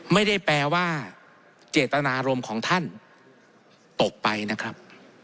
ไม่ได้แปลว่าเจตนารมณ์ของท่านตกไปนะครับ